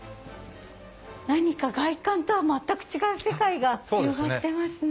何か外観とは全く違う世界が広がってますね。